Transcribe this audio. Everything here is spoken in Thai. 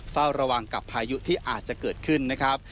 เฝ้าระวังกับพายุที่อาจจะเกิดขึ้นนะครับ